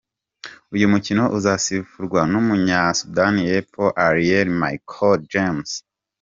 Uyu mukino uzasifurwa n’Umunya-Sudani y’Epfo, Alier Michael James.